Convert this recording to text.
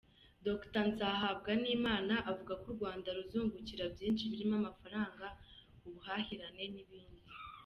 Dr Nzahabwanimana avuga ko u Rwanda ruzungukira byinshi birimo amafaranga, ubuhahirane n’ibindi.